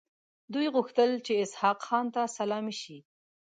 دوی غوښتل چې اسحق خان ته سلامي شي.